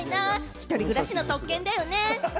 一人暮らしの特権だよね。